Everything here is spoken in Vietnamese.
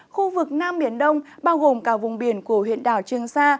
khu vực nam biển đông bao gồm cả vùng biển của huyện đảo trương sa